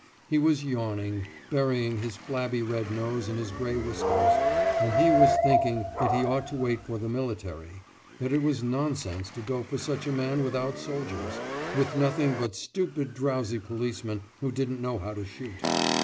He was yawning, burying his flabby red nose in his grey whiskers; and he was thinking that he ought to wait for the military; that it was nonsense to go for such a man without soldiers, with nothing but stupid drowsy policemen who didn't know how to shoot.